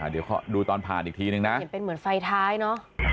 เดี๋ยวดูตอนผ่านอีกทีนึงนะเห็นเป็นเหมือนไฟท้ายเนอะ